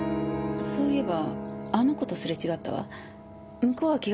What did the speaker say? そういえばあの子とすれ違ったわ。